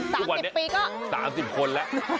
๓๐ปีก็ทุกวันนี้๓๐คนแล้ว